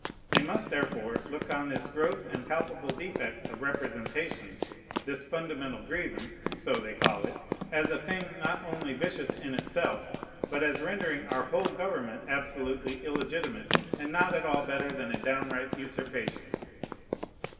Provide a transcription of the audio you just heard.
They must therefore look on this gross and palpable defect of representation, this fundamental grievance, (so they call it,) as a thing not only vicious in itself, but as rendering our whole government absolutely illegitimate, and not at all better than a downright usurpation.